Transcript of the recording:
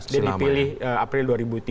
dia dipilih april dua ribu tiga